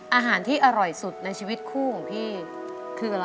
อาหารที่อร่อยสุดในชีวิตคู่ของพี่คืออะไร